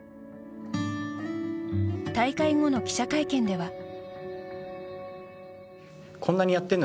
大会後の記者会見では。